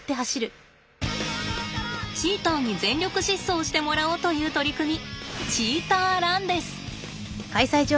チーターに全力疾走してもらおうという取り組みチーターランです。